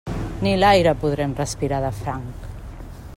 Ni l'aire podrem respirar de franc.